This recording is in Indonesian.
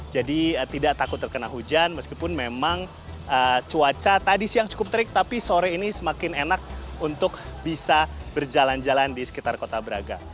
jadi tidak takut terkena hujan meskipun memang cuaca tadi siang cukup terik tapi sore ini semakin enak untuk bisa berjalan jalan di sekitar kota braga